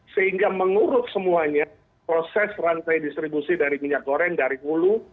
sehingga mengurus semuanya proses rantai distribusi dari minyak goreng dari hulu